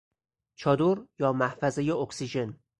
چادر یا محفظهی اکسیژن